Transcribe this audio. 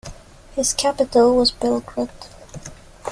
His capital was Belgrade.